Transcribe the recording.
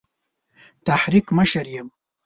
تحریک مشر یم.